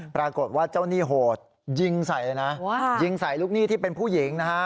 ปรากฏว่าเจ้าหนี้โหดยิงใส่ลูกหนี้ที่เป็นผู้หญิง